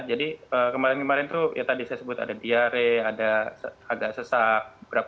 jadi kemarin kemarin itu ya tadi saya sebut ada diare ada agak sesak